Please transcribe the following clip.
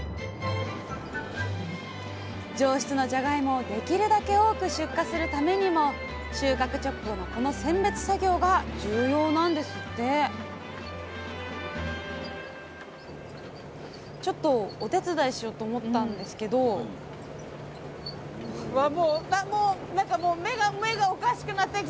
上質のじゃがいもをできるだけ多く出荷するためにも収穫直後のこの選別作業が重要なんですってちょっとお手伝いしようと思ったんですけどわっ